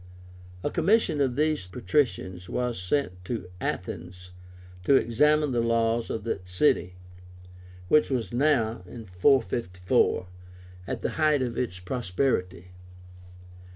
A commission of three patricians was sent to Athens to examine the laws of that city, which was now (454) at the height of its prosperity.